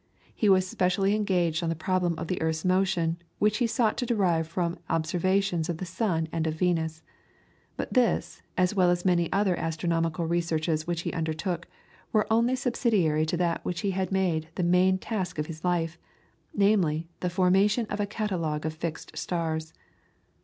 He was specially engaged on the problem of the earth's motion, which he sought to derive from observations of the sun and of Venus. But this, as well as many other astronomical researches which he undertook, were only subsidiary to that which he made the main task of his life, namely, the formation of a catalogue of fixed stars.